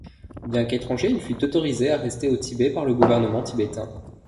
Bien qu'étranger, il fut autorisé à rester au Tibet par le gouvernement tibétain.